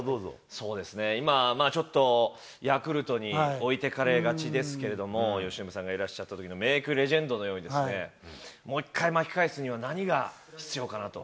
そうですね、今、ヤクルトに置いてかれがちですけれども、由伸さんがいらっしゃったときのメークレジェンドのように、もう一回巻き返すには何が必要かなと。